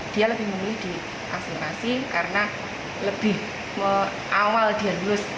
dia lebih memilih di afirmasi karena lebih awal dia lulus